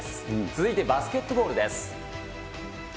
続いてバスケットボールです。